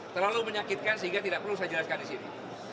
terlalu menyakitkan sehingga tidak perlu saya jelaskan disini